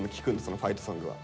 そのファイトソングは。